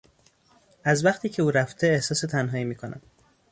از وقتی که او رفته احساس تنهایی میکنم.